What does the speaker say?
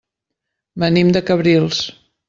Venim de Cabrils.